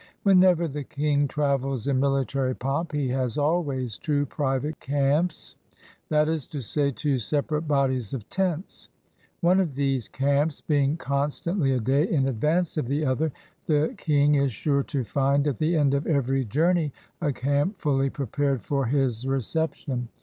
Whenever the king travels in military pomp he has always two private camps; that is to say, two separate bodies of tents. One of these camps being constantly a day in advance of the other, the king is sure to find 128 ON THE MARCH WITH AURUNGZEBE at the end of every journey a camp fully prepared for his reception.